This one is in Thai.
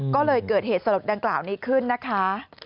ก็เลยเกิดเหตุสลดดังกล่าวนี้ขึ้นนะคะ